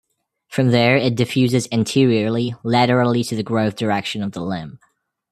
From there it diffuses anteriorly, laterally to the growth direction of the limb.